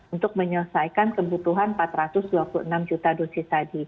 untuk menyelesaikan kebutuhan empat ratus dua puluh enam juta